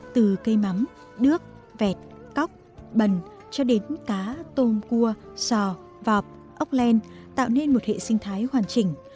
từ cây mắm đước vẹt cóc bần cho đến cá tôm cua sò vọp ốc len tạo nên một hệ sinh thái hoàn chỉnh